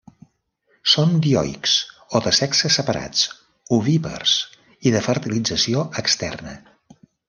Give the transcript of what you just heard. Són dioics, o de sexes separats, ovípars, i de fertilització externa.